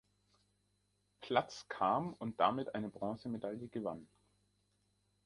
Platz kam und damit eine Bronzemedaille gewann.